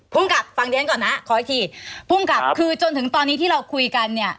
ภูมิกับฟังเรียนก่อนนะขออีกทีภูมิกับคือจนถึงตอนนี้ที่เราคุยกันเนี่ย